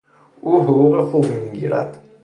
او حقوق خوبی میگیرد.